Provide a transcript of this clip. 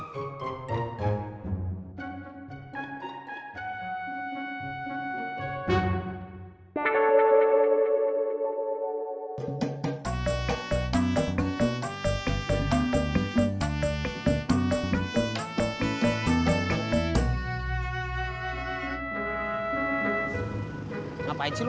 karir pokoknya masih juga